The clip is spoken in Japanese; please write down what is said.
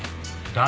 誰？